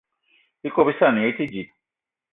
Ikob í yé í te dji.